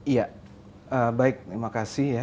iya baik terima kasih ya